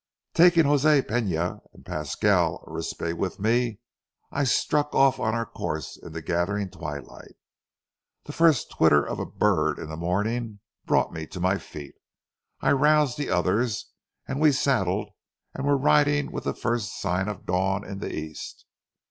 Taking José Pena and Pasquale Arispe with me, I struck off on our course in the gathering twilight. The first twitter of a bird in the morning brought me to my feet; I roused the others, and we saddled and were riding with the first sign of dawn in the east.